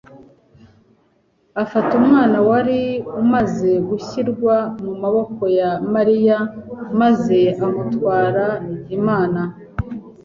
Afata umwana wari umaze gushyirwa mu maboko ya Mariya maze amutura Imana,